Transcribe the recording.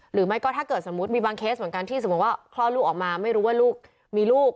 หรือไม่ก็ถ้าไปบางเคสแบบว่าครอบคนลูกออกมาไม่รู้ว่าลูกมีลูก